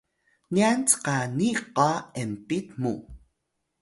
nyan cqani qa enpit mu